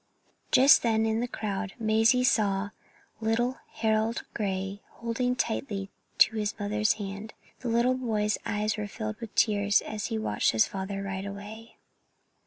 Just then in the crowd Mazie saw little Harold Gray holding tightly to his mother's hand. The little boy's eyes were filled with tears as he watched his father ride away.